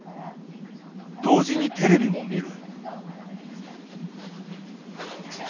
同時にテレビも見る。